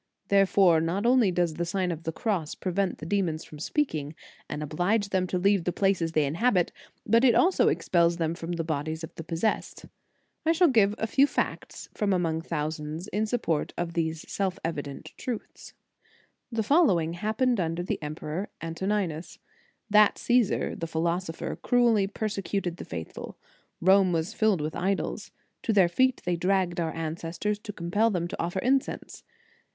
Therefore not only does the Sign of the Cross prevent the demons from speaking, and oblige them to leave the places they inhabit, but it also expels them from the bodies of the possessed. I shall give a few facte from among thousands in support of these self evident truths. 210 The Sign of the Cross. 211 The following happened under the Empe ror Antoninus. That Csesar, the philosopher, cruelly persecuted the faithful. Rome was filled with idols. To their feet they dragged our ancestors, to compel them to offer in cense.